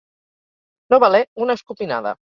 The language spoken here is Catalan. No valer una escopinada.